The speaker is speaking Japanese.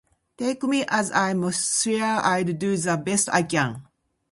Take me as I am swear I'll do the best I can